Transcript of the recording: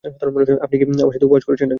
আপনি কি আমার সাথে উপহাস করছেন?